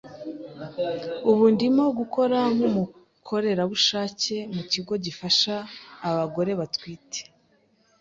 Ubu ndimo gukora nk’umukorerabushake mu kigo gifasha abagore batwite